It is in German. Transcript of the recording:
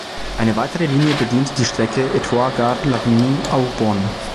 Eine weitere Linie bedient die Strecke Etoy gare–Lavigny–Aubonne.